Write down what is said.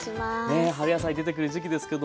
ねえ春野菜出てくる時期ですけども。